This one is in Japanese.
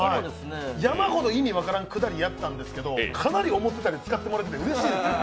山ほど意味分からんくだりやったんですけど、かなり思ったより使ってもらえててうれしいです。